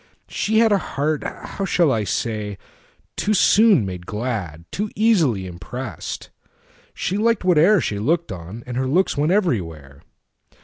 She hadA heart—how shall I say?—too soon made glad. Too easily impressed: she liked whate'erShe looked on, and her looks went everywhere.